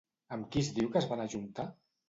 Amb qui es diu que es van ajuntar?